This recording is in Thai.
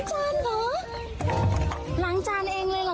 เกรงจังเลย